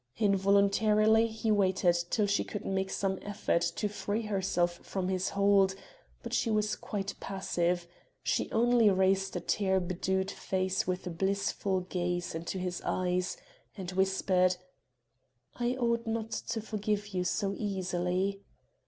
Involuntarily he waited till she should make some effort to free herself from his hold; but she was quite passive; she only raised a tear bedewed face with a blissful gaze into his eyes, and whispered: "I ought not to forgive you so easily...."